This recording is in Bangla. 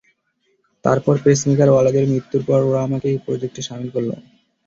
তারপর, পেসমেকারওয়ালাদের মৃত্যুর পর ওরা আমাকে এই প্রজেক্টে শামিল করল।